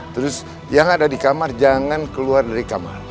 terus yang ada di kamar jangan keluar dari kamar